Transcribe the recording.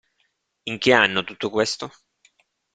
In che anno, tutto questo?